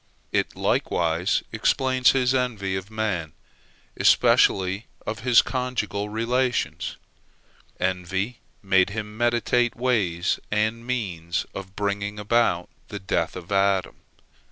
It likewise explains his envy of man, especially of his conjugal relations. Envy made him meditate ways and means of bringing about the death of Adam.